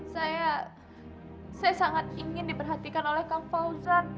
saya sangat ingin diperhatikan oleh kang fauzan